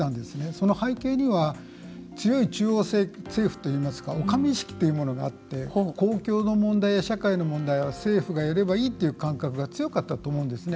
その背景には強い中央政府といいますかお上意識というものがあって公共や社会の問題は政府がやればいいという感覚が強かったと思うんですね。